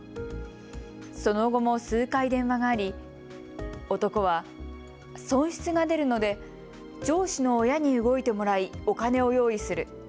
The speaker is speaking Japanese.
その後も数回電話があり男は、損失が出るので上司の親に動いてもらい、お金を用意する。